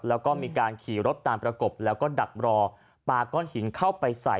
แล้วก็มีการขี่รถตามประกบแล้วก็ดักรอปลาก้อนหินเข้าไปใส่